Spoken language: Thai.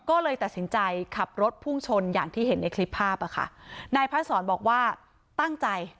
ก็เลยตัดสินใจขับรถพุ่งชนอย่างที่เห็นในคลิปภาพอ่ะค่ะนายพระศรบอกว่าตั้งใจ